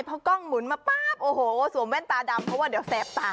พอกล้องหมุนมาปั๊บโอ้โหสวมแว่นตาดำเพราะว่าเดี๋ยวแสบตา